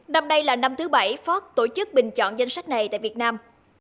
năm đây là năm thứ bảy phó tổ chức bình chọn danh sách này tại việt nam